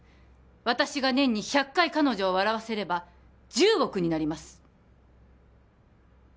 私が年に１００回彼女を笑わせれば１０億になります